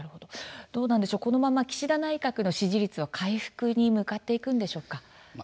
このまま岸田内閣の支持率は回復に向かっていくんでしょうか。